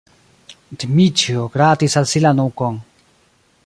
Dmiĉjo gratis al si la nukon.